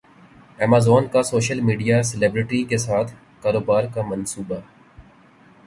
Amazon کا social media celebrity کے ساتھ کاروبار کا منصوبہ